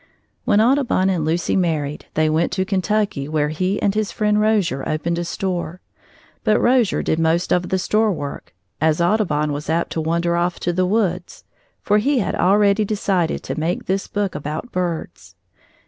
When Audubon and Lucy married, they went to Kentucky, where he and his friend Rozier opened a store. But Rozier did most of the store work, as Audubon was apt to wander off to the woods, for he had already decided to make this book about birds.